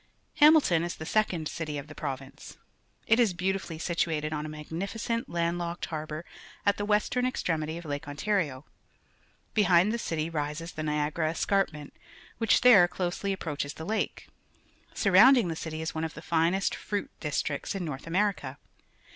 "' Haj/iilldii is the seco nd city of the province. It^ is l)e;iutilu!ly situatedon a magnificent laiiil I.Hkcl iiarhour at the western extremity it Lake < 'ntario. Behhid t he city rises the Niagara escarpment, which there closely ap proaches the lake. Surrounding the city is one of the finest iVuii .li tiict ; In North Vmeiica.